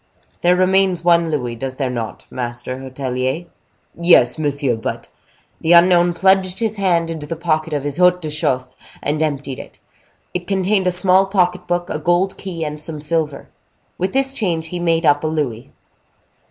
"There remains one louis, does there not, master hotelier?" "Yes, monsieur, but—" The unknown plunged his hand into the pocket of his haut de chausses, and emptied it. It contained a small pocket book, a gold key, and some silver. With this change, he made up a louis.